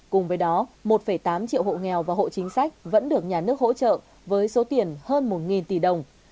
cùng với đó một tám triệu hộ nghèo và hộ chính sách vẫn được nhà nước hỗ trợ với số tiền hơn một tỷ đồng